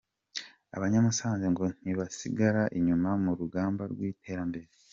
Abanyamusanze ngo ntibazasigara inyuma mu rugamba rw’iterambere.